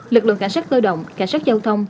lực lượng cảnh sát cơ động cảnh sát giao thông